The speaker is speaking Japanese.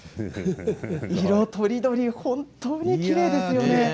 色とりどり本当にきれいですよね。